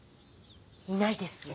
いないです。